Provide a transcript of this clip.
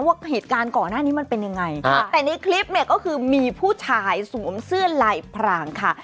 ว่าเหตุการณ์ก่อนหน้านี้มันเป็นยังไงแต่ในคลิปเนี่ยก็คือมีผู้ชายสวมเสื้อลายพรางค่ะ